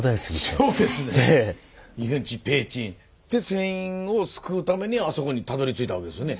船員を救うためにあそこにたどりついたわけですよね。